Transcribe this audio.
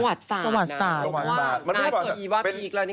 ประวัติศาสตร์ประวัติศาสตร์